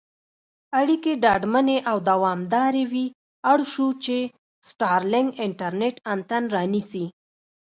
اړیکې ډاډمنې او دوامدارې وي اړ شو، چې سټارلېنک انټرنېټ انتن رانیسي.